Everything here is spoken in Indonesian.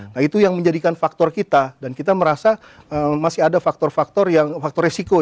nah itu yang menjadikan faktor kita dan kita merasa masih ada faktor faktor yang faktor resiko